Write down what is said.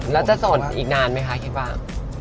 แล้วจะส่วนอีกนานไหมคะคิดบ้าง